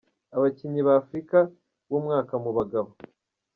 Abakinyi ba Afrika b'umwaka mu bagabo:.